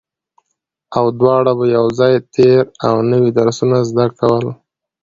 او دواړو به يو ځای تېر او نوي درسونه زده کول